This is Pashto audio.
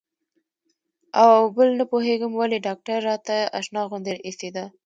او بل نه پوهېږم ولې ډاکتر راته اشنا غوندې اېسېده.